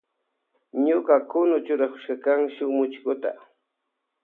Ñuka kunu churakushkakan shuk muchikuta.